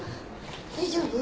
大丈夫？